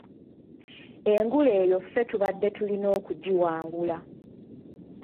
Engule eyo ffe tubadde tulina okugiwangula.